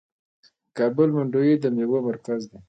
د کابل منډوي د میوو مرکز دی.